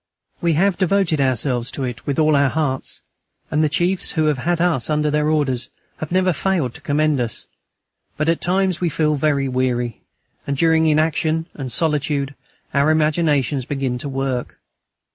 We have devoted ourselves to it with all our hearts, and the chiefs who have had us under their orders have never failed to commend us; but at times we feel very weary, and during inaction and solitude our imaginations begin to work.